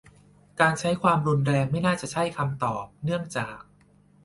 การใช้ความรุนแรงไม่น่าจะใช่คำตอบ เนื่องจาก